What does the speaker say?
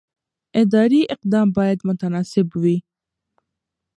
اداري اقدام باید متناسب وي.